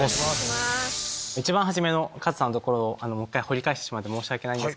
一番初めのカズさんのところを掘り返してしまって申し訳ない。